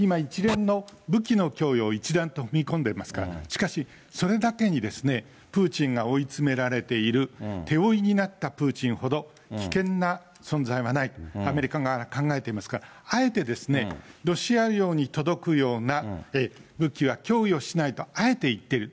それは今一連の武器の供与を一段と見込んでますから、しかしそれだけに、プーチンが追い詰められている、手負いになったプーチンほど、危険な存在はない、アメリカ側は考えていますから、あえてロシア領に届くような武器は供与しないとあえて言ってる。